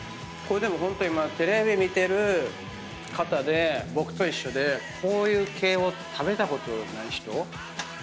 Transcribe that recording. これでもホント今テレビ見てる方で僕と一緒でこういう系を食べたことない人。